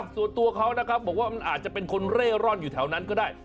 ส่วนตัวเขานะครับบอกว่ามันอาจจะเป็นคนเร่ร่อนอยู่แถวนั้นก็ได้